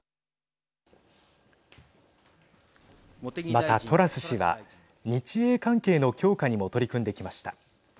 また、トラス氏は日英関係の強化にも取り組んできました。